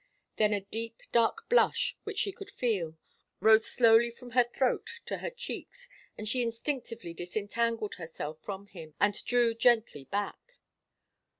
Then a deep, dark blush which she could feel, rose slowly from her throat to her cheeks, and she instinctively disentangled herself from him and drew gently back.